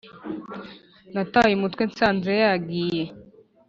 Nataye umutwe nsanze yagiye